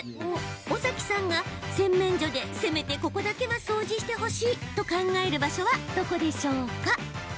尾崎さんが洗面所でせめてここだけは掃除してほしいと考える場所はどこでしょうか。